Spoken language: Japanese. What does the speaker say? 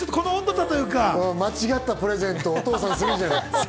間違ったプレゼントをお父さん、するじゃない。